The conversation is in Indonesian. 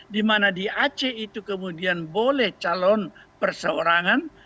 di mana di aceh itu kemudian boleh calon perseorangan